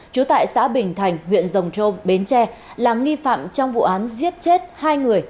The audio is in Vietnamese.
trú tại xã bình thành huyện rồng trôm bến tre làm nghi phạm trong vụ án giết chết hai người